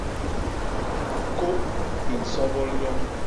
Kôp i nsobol yom.